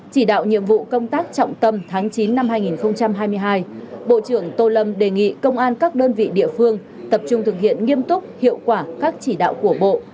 chỉ đạo nhiệm vụ công tác trọng tâm tháng chín năm hai nghìn hai mươi hai bộ trưởng tô lâm đề nghị công an các đơn vị địa phương tập trung thực hiện nghiêm túc hiệu quả các chỉ đạo của bộ